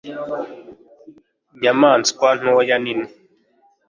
Inyamaswa ntoya ninini